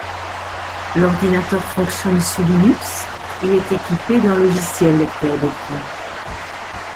L'ordinateur fonctionne sous Linux et est équipé d'un logiciel lecteur d'écran.